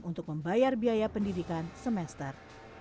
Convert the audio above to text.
untuk membayar biaya pendidikan semester